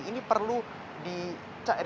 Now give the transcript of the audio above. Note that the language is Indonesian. ini perlu ditandatangani